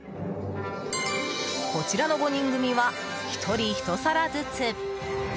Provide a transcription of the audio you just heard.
こちらの５人組は１人１皿ずつ。